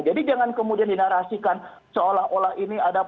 jadi jangan kemudian dinarasikan seolah olah ini akan berubah